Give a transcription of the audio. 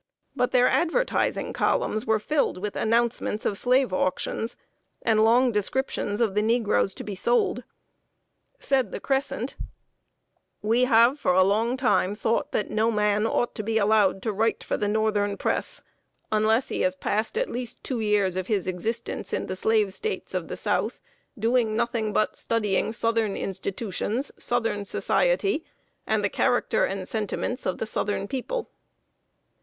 But their advertising columns were filled with announcements of slave auctions, and long descriptions of the negroes to be sold. Said The Crescent: [Sidenote: STUDYING SOUTHERN SOCIETY.] "We have for a long time thought that no man ought to be allowed to write for the northern Press, unless he has passed at least two years of his existence in the Slave States of the South, doing nothing but studying southern institutions, southern society, and the character and sentiments of the southern people."